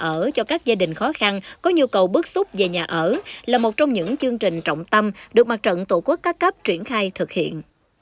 nhà ở cho các gia đình khó khăn có nhu cầu bước xúc về nhà ở là một trong những chương trình trọng tâm được mặt trận tổ quốc các cấp triển khai thực hiện